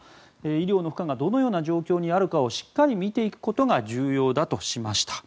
医療の負荷がどのような状況にあるかをしっかり見ていくことが重要だとしました。